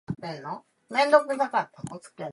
Relatives described him as a recluse with no friends.